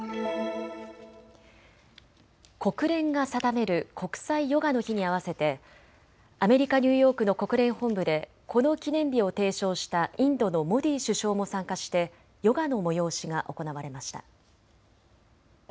国連が定める国際ヨガの日に合わせてアメリカ・ニューヨークの国連本部でこの記念日を提唱したインドのモディ首相も参加してヨガの催しが行われました。